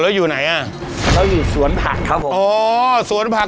ดีเจนุ้ยสุดจีลา